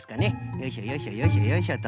よいしょよいしょよいしょよいしょと。